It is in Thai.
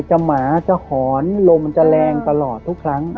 หมาจะหอนลมมันจะแรงตลอดทุกครั้ง